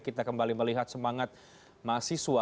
kita kembali melihat semangat mahasiswa